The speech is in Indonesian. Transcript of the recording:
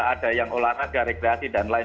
ada yang olahraga rekreasi dan lain